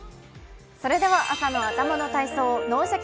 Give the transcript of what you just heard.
それでは朝の頭の体操「脳シャキ！